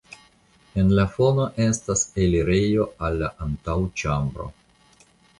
En la fono estas elirejo al la antaŭĉambro.